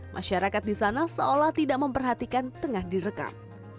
masyarakat di sana seolah tidak memperhatikan tengah direkam